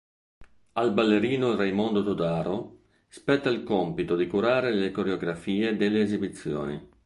Al ballerino Raimondo Todaro spetta il compito di curare le coreografie delle esibizioni.